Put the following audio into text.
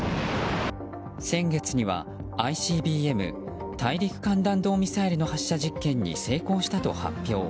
先月にはＩＣＢＭ・大陸間弾道ミサイルの発射実験に成功したと発表。